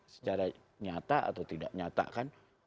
secara nyata atau tidak nyata kan